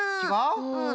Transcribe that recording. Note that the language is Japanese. うん。